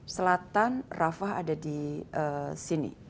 selatan rafah ada di sini